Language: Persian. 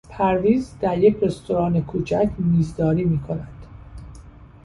پرویز در یک رستوران کوچک میزداری میکند.